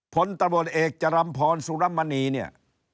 พลตบนเอกจรัมพรสุรมณีเนี่ย